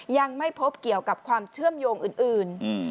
ยังไม่พบเกี่ยวกับความเชื่อมโยงอื่น